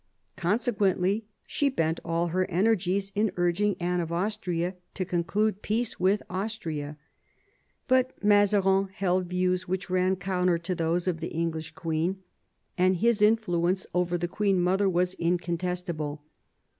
Consequently she bent all her energies in urging Anne of Austria to conclude peace with Austria. But Mazarin held views which ran counter to those of the English queen, and his influence over the queen mother was incontestable.